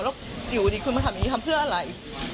แล้วอยู่ดีคุณมาทำอย่างนี้ทำเพื่ออะไร